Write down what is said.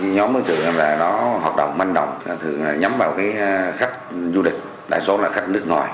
nhóm đối tượng hoạt động manh động thường nhắm vào khách du lịch đại số là khách nước ngoài